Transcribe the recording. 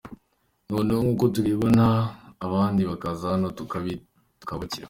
Noneho nk’uko turebana, abandi bakaza hano tukabakira.